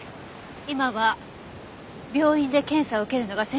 今は病院で検査を受けるのが先決です。